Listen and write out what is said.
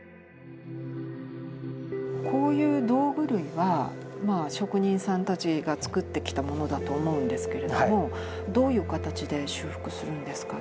こういう道具類は職人さんたちが作ってきたものだと思うんですけれどもどういう形で修復するんですか？